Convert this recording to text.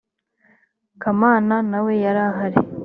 kamana nawe yarahari